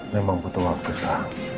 memang butuh waktu sa